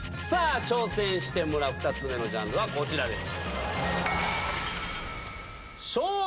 挑戦してもらう２つ目のジャンルはこちらです。